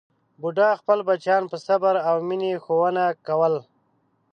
بوډا خپل بچیان په صبر او مینې ښوونه کول.